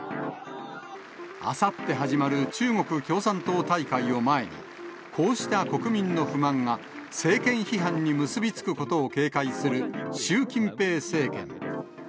あさって始まる中国共産党大会を前に、こうした国民の不満が政権批判に結び付くことを警戒する習近平政権。